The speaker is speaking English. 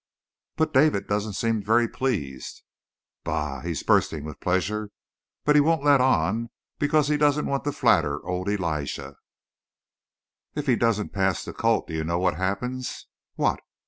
"But David doesn't seem very pleased." "Bah! He's bursting with pleasure. But he won't let on because he doesn't want to flatter old Elijah." "If he doesn't pass the colt do you know what happens?" "What?"